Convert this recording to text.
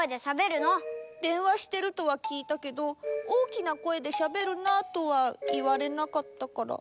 でんわしてるとはきいたけど「大きな声でしゃべるな」とはいわれなかったから。